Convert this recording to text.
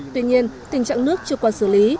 tuy nhiên tình trạng nước chưa qua xử lý